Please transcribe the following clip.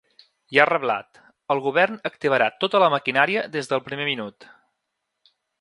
I ha reblat: El govern activarà tota la maquinària des del primer minut.